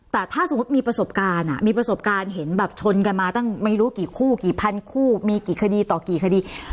แต่ถ้าสมมุติมีประสบการณ์มีประสบการณ์เห็นแบบชนกันมาตั้งไม่รู้กี่คู่กี่พันคู่มีกี่คดีต่อกี่คดี